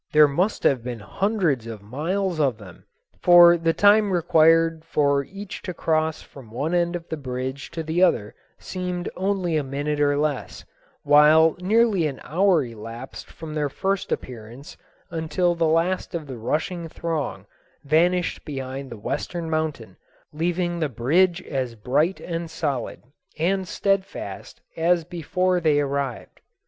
There must have been hundreds of miles of them; for the time required for each to cross from one end of the bridge to the other seemed only a minute or less, while nearly an hour elapsed from their first appearance until the last of the rushing throng vanished behind the western mountain, leaving the bridge as bright and solid and steadfast as before they arrived.